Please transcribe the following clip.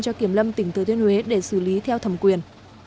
cho kiểm lâm tỉnh thừa thiên huế để xử lý theo thẩm quyền